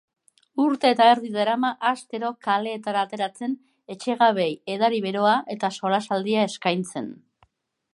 Urte eta erdi darama astero kaleetara ateratzen etxegabeei edari beroa eta solasaldia eskaintzen.